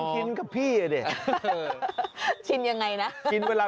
คนส่งรักษา